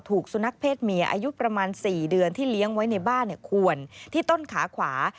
สุนัขเพศเมียอายุประมาณ๔เดือนที่เลี้ยงไว้ในบ้านควรที่ต้นขาขวา